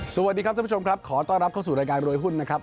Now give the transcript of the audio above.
สวัสดีครับท่านผู้ชมครับขอต้อนรับเข้าสู่รายการรวยหุ้นนะครับ